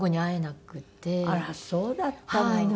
あらそうだったの。